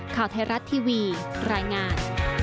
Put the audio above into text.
ข่าวไทยรัฐทีวีรายงาน